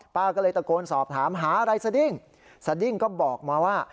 ป้าก็เลยตะโกนสอบถามหาอะไรสดิ้งสดิ้งก็บอกมาว่า